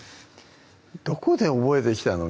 どこで覚えてきたの？